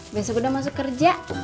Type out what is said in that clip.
besok udah masuk kerja